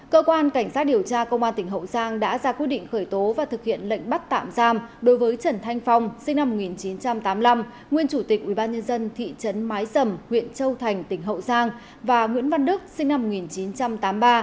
cơ quan cảnh sát điều tra công an tỉnh hậu giang đã ra quyết định khởi tố và thực hiện lệnh bắt tạm giam đối với trần thanh phong sinh năm một nghìn chín trăm tám mươi năm nguyên chủ tịch ubnd thị trấn mái sầm huyện châu thành tỉnh hậu giang và nguyễn văn đức sinh năm một nghìn chín trăm tám mươi ba